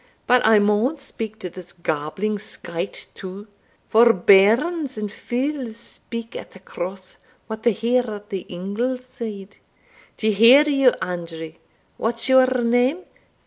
But I maun speak to this gabbling skyte too, for bairns and fules speak at the Cross what they hear at the ingle side. D'ye hear, you, Andrew what's your name?